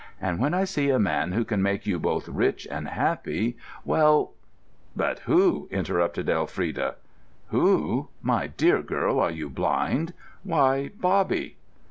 And when I see a man who can make you both rich and happy, well——" "But who?" interrupted Elfrida. "Who? My dear girl, are you blind! Why, Bobby!"